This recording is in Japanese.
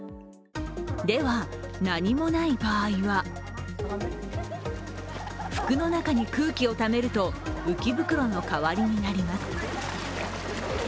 では、何もない場合は服の中に空気をためると浮き袋の代わりになります。